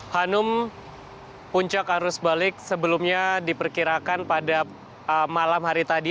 hanum puncak arus balik sebelumnya diperkirakan pada malam hari tadi